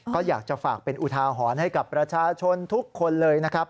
ก็อยากจะฝากเป็นอุทาหรณ์ให้กับประชาชนทุกคนเลยนะครับ